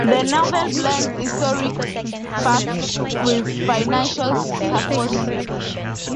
The novel blends historical fact with fictional supposition.